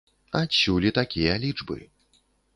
Адсюль і такія лічбы.